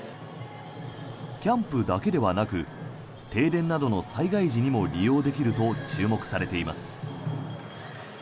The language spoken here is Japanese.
キャンプだけではなく停電などの災害時にも利用できると注目されています。